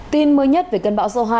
tin mới nhất về cơn bão số hai